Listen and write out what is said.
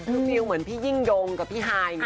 มีความรู้สึกเหมือนพี่ยิ่งโยงกับพี่ฮาย